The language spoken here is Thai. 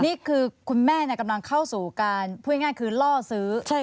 นี่คือคุณแม่กำลังเข้าสู่การพูดง่ายคือล่อซื้อ